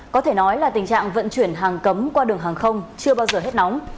có thể nói là tình trạng vận chuyển hàng cấm qua đường hàng không chưa bao giờ hết nóng